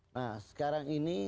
nah sekarang ini